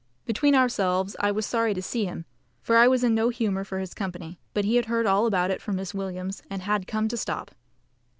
Between ourselves, I was sorry to see him, for I was in no humour for his company; but he had heard all about it from Miss Williams, and had come to stop.